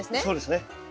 そうですね。